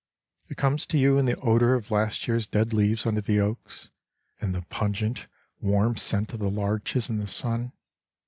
It comes to you in the odour of last year's dead leaves under the oaks; in the pungent warm scent of the larches in the sun.